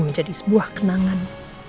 menjadi sebuah kenangan